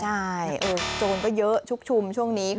ใช่โจรก็เยอะชุกชุมช่วงนี้